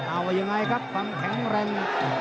เอาว่ายังไงครับความแข็งแรง